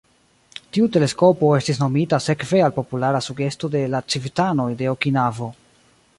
Tiu teleskopo estis nomita sekve al populara sugesto de la civitanoj de Okinavo.